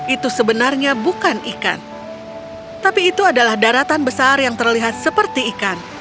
itu sebenarnya bukan ikan tapi itu adalah daratan besar yang terlihat seperti ikan